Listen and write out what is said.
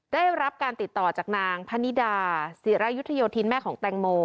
ได้รับการติดต่อจากนางพนิดาศิรายุทธโยธินแม่ของแตงโม